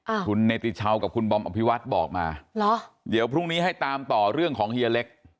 คุณเนติชาวกับคุณบอมอภิวัฒน์บอกมาเหรอเดี๋ยวพรุ่งนี้ให้ตามต่อเรื่องของเฮียเล็ก